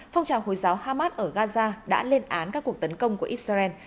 phong trào hồi giáo hamas ở gaza đã lên án các cuộc tấn công của israel